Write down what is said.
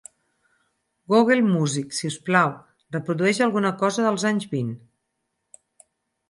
Google Music, si us plau, reprodueix alguna cosa dels anys vint